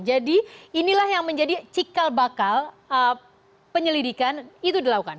jadi inilah yang menjadi cikal bakal penyelidikan itu dilakukan